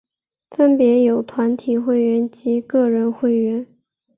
分别有团体会员及个人会员。